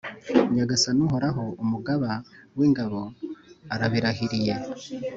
Nyagasani Uhoraho, Umugaba w’ingabo arabirahiriye.